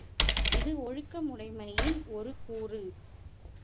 இது ஒழுக்கமுடைமையின் ஒரு கூறு.